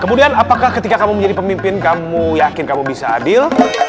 kemudian apakah ketika kamu menjadi pemimpin kamu yakin kamu bisa adil